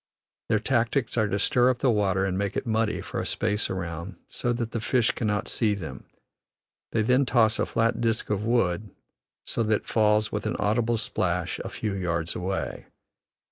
Their tactics are to stir up the water and make it muddy for a space around, so that the fish cannot see them; they then toss a flat disk of wood so that it falls with an audible splash a few yards away.